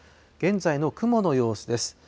現在の雲の様子です。